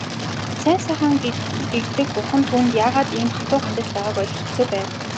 Сайн сайхан гэгддэг бурхан түүнд яагаад ийм хатуу хандаж байгааг ойлгоход хэцүү байв.